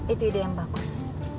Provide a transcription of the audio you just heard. itu ide yang bagus